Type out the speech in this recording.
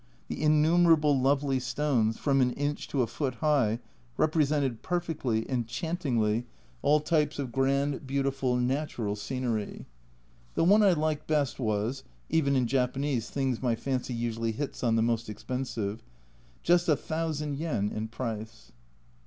The innumerable lovely stones from an inch to a foot high represented perfectly, enchantingly, all types of grand, beautiful, natural scenery. The one I liked best was (even in Japanese things my fancy usually hits on the most expensive) just a thousand yen in price